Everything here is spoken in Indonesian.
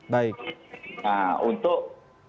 baik nah untuk